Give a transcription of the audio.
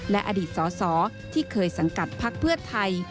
และอดีตสอสอที่เคยสังกัดพักเพื่อไทย